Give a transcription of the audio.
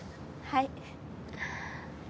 はい。